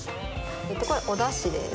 これおダシです。